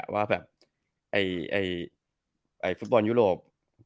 ว่าแบบฟุตบอลยุโรป